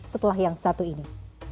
setelah yang satu ini